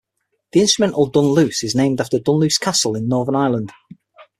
The instrumental "Dunluce" is named after Dunluce Castle in Northern Ireland.